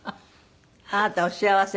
あなたお幸せそう。